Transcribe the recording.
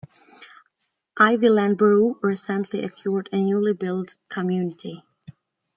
Ivyland Borough recently acquired a newly built community.